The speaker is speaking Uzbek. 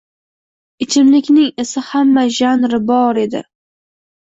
Ichimlikning esa xamma “janri” dan bor edi.